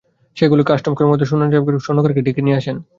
সেগুলোয় customs কর্মকর্তারা সোনা খুঁজে না পেয়ে স্বর্ণকারকে ডেকে নিয়ে আসেন।